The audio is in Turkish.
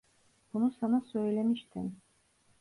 Bunu sana söylemiştim.